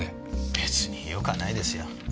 別によくはないですよ。